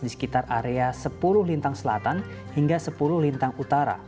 di sekitar area sepuluh lintang selatan hingga sepuluh lintang utara